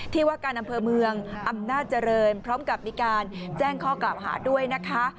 ที่ว่าการอำเภอเมืองอำนาจเจริญพร้อมกับมีการแจ้งข้อกล่าวหาด้วยนะคะ